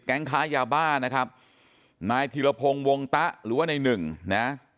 แก๊งค้ายาบ้านะครับนายถิลพงศ์วงตะหรือว่าในหนึ่งนะครับ